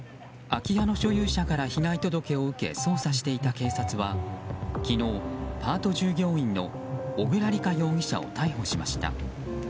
空き家の所有者から被害届を受け捜査していた警察は昨日、パート従業員の小倉利香容疑者を逮捕しました。